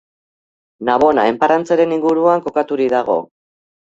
Navona enparantzaren inguruan kokaturik dago.